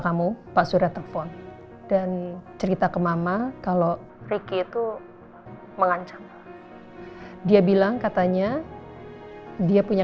kamu pak surya telpon dan cerita ke mama kalau ricky itu mengancam dia bilang katanya dia punya